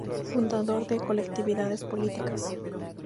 Fundador de colectividades políticas.